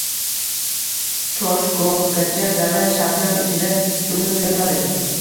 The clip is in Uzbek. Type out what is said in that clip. Choshgohgacha dala shabnam ichida choʻmilib yotadi.